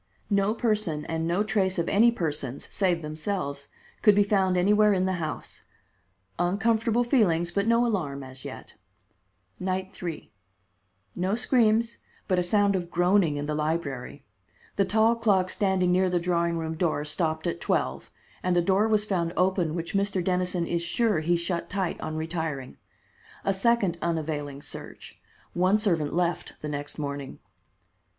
No person and no trace of any persons, save themselves, could be found anywhere in the house. Uncomfortable feelings, but no alarm as yet. Night 3: No screams, but a sound of groaning in the library. The tall clock standing near the drawing room door stopped at twelve, and a door was found open which Mr. Dennison is sure he shut tight on retiring. A second unavailing search. One servant left the next morning.